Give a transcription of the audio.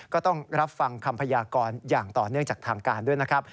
ก็ต้องรับฟังคำพยากรอย่างต่อเนื่องจากทางการด้วยนะครับ